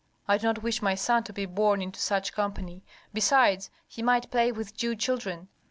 I do not wish my son to be born into such company; besides, he might play with Jew children.